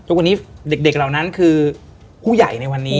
ทุกวันนี้เด็กเหล่านั้นคือผู้ใหญ่ในวันนี้